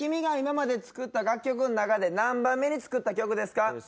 今まで作った楽曲の中で何番目に作った曲ですか？